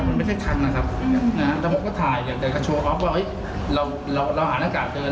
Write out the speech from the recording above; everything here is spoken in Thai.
มันไม่ใช่ครังนะครับแต่ทีมสุดท้ายแล้วก็ชวนออกว่าเราหาน้ากากเจอน่ะ